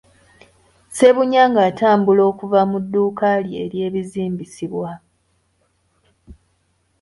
Ssebunya nga atambula okuva mu dduuka lye ery'ebizimbisibwa.